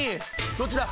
どっちだ？